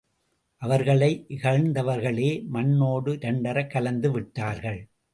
அவர்களை இகழ்ந்தவர்களே மண்ணோடு இரண்டறக் கலந்து விட்டார்கள்.